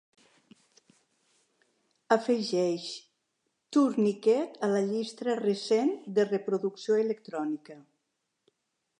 Afegeix Tourniquet a la llista recent de reproducció electrònica.